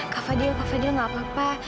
kak fadil kak fadil nggak apa apa